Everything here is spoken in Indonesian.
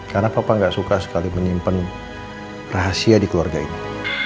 karena papa gak suka sekali menyimpan rahasia di keluarga ini